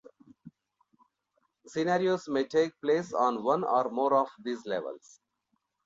Scenarios may take place on one or more of these levels.